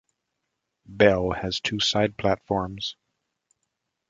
Bell has two side platforms.